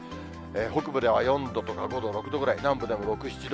北部では４度、５度、６度ぐらい、南部でも、６、７度。